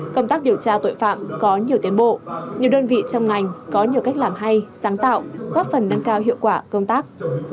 công tác điều tra tội phạm có nhiều tiến bộ nhiều đơn vị trong ngành có nhiều cách làm hay sáng tạo góp phần nâng cao hiệu quả công tác